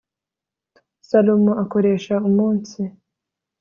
salomo akoresha umunsi